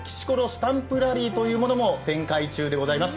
スタンプラリーというのも展開中でございます。